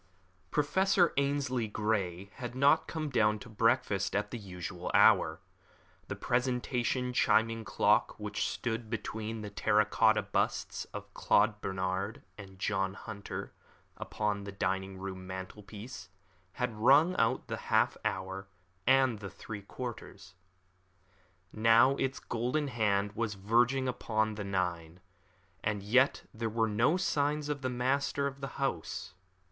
Professor Ainslie Grey had not come down to breakfast at the usual hour. The presentation chiming clock which stood between the terra cotta busts of Claude Bernard and of John Hunter upon the dining room mantelpiece had rung out the half hour and the three quarters. Now its golden hand was verging upon the nine, and yet there were no signs of the master of the house.